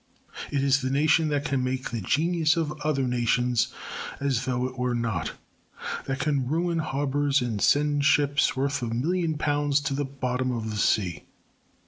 It is the nation that can make the genius of other nations as though it were not that can ruin harbours and send ships worth a million pounds to the bottom of the sea.